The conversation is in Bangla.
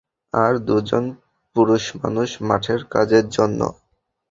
আর দুজন পুরুষমানুষ মাঠের কাজের জন্য।